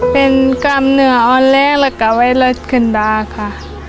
เป็นกรรมเหนือออนแรกและกรรมไวรัสขึ้นมาค่ะ